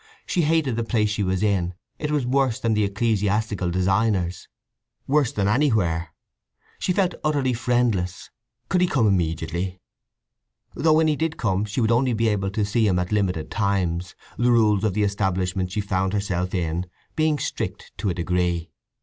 She hated the place she was in; it was worse than the ecclesiastical designer's; worse than anywhere. She felt utterly friendless; could he come immediately?—though when he did come she would only be able to see him at limited times, the rules of the establishment she found herself in being strict to a degree.